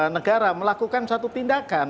negara melakukan satu tindakan